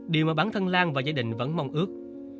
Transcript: điều mà bản thân lan và gia đình vẫn mong ước